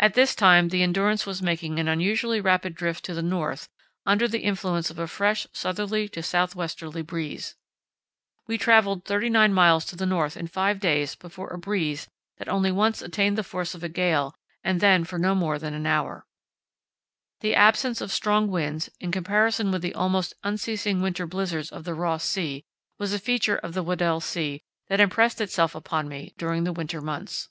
At this time the Endurance was making an unusually rapid drift to the north under the influence of a fresh southerly to south westerly breeze. We travelled 39 miles to the north in five days before a breeze that only once attained the force of a gale and then for no more than an hour. The absence of strong winds, in comparison with the almost unceasing winter blizzards of the Ross Sea, was a feature of the Weddell Sea that impressed itself upon me during the winter months.